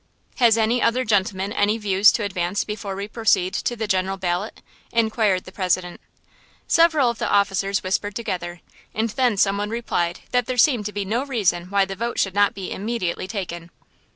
"Has any other gentleman any views to advance before we proceed to a general ballot?" inquired the President. Several of the officers whispered together, and then some one replied that there seemed to be no reason why the vote should not be immediately taken.